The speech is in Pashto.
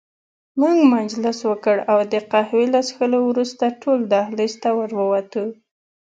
موږ مجلس وکړ او د قهوې له څښلو وروسته ټول دهلېز ته ور ووتو.